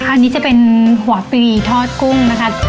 อันนี้จะเป็นหัวฟรีทอดกุ้งนะคะ